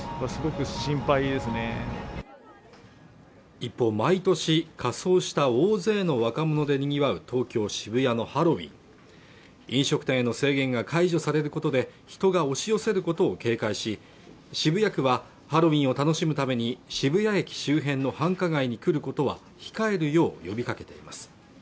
一方毎年仮装した大勢の若者でにぎわう東京渋谷のハロウィーン飲食店への制限が解除されることで人が押し寄せることを警戒し渋谷区はハロウィーンを楽しむために渋谷駅周辺の繁華街に来ることは控えるよう呼びかけています